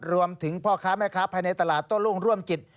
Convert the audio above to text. พ่อค้าแม่ค้าภายในตลาดโต้รุ่งร่วมกิจ